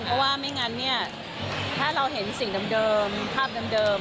เพราะว่าไม่งั้นถ้าเราเห็นสิ่งดำเดิมภาพดำเดิม